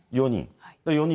４人。